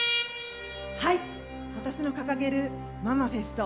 私の掲げるママフェスト